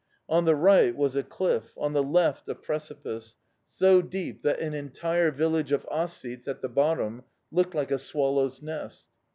On the right was a cliff, on the left a precipice, so deep that an entire village of Ossetes at the bottom looked like a swallow's nest.